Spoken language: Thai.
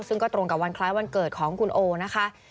ซึ่งก็ตรงกับวันคล้ายวันเกิดของคุณโอนะคะ